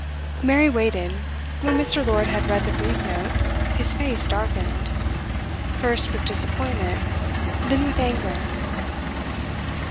Mary waited. When Mr. Lord had read the brief note, his face darkened, first with disappointment, then with anger.